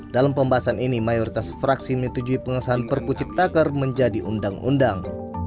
dalam pembahasan ini mayoritas fraksi menuju pengesahan perpu cipta kerja menjadi undang undang